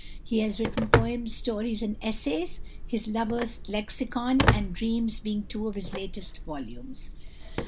He has written poems, stories, and essays, his "Lover's Lexicon" and "Dreams" being two of his latest volumes.